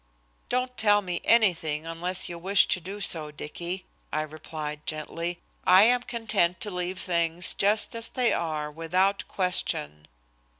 "Don't tell me anything unless you wish to do so, Dicky," I replied gently. "I am content to leave things just as they are without question."